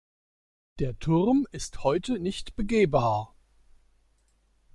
Der Turm ist heute nicht begehbar.